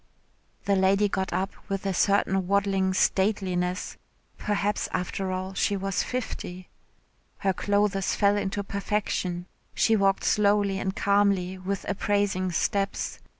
The lady got up with a certain waddling stateliness (perhaps after all she was fifty). Her clothes fell into perfection she walked slowly and calmly with appraising steps.